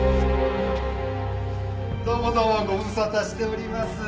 どうもどうもご無沙汰しております。